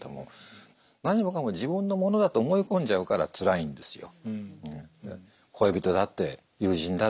何もかも自分のものだと思い込んじゃうからつらいんですよ。